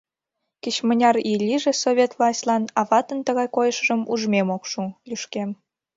— Кеч-мыняр ий лийже Совет властьлан, а ватын тыгай койышыжым ужмем ок шу! — лӱшкем.